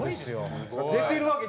出てるわけ